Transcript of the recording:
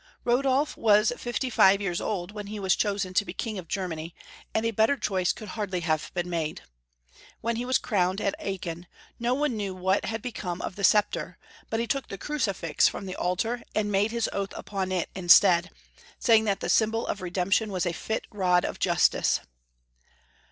Rodolf was fifty five years old when he was chosen to be King of Germany, and a better choice could hardly have been made . When he was crowned at Aachen, no one knew what had become of the sceptre, but he took the crucifix from the Altar and made his oath upon it instead, saying that the symbol of redemption was a fit rod of justice.